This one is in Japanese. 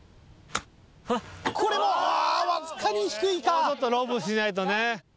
もうちょっとロブしないとね。